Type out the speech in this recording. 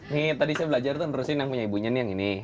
nih tadi saya belajar terusin yang punya ibunya nih yang ini